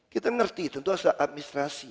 kita ngerti tentu ada administrasi